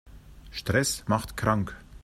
Stress macht krank.